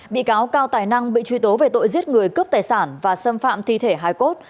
bị cáo cao tài năng bị truy tố về tội giết người cướp tài sản và xâm phạm thi thể hai cốt